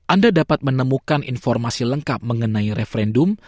anda dapat menemukan informasi lengkap mengenai referendum